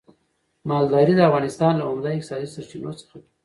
مالداري د افغانستان له عمده اقتصادي سرچينو څخه ده.